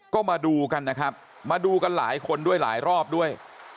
ก็มาดูกันนะครับมาดูกันหลายคนด้วยหลายรอบด้วย